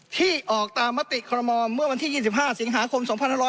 ที่ออกตามมติคอรมอลเมื่อวันที่๒๕สิงหาคม๒๕๖๐